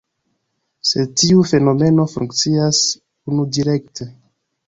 Sed tiu fenomeno funkcias unudirekte.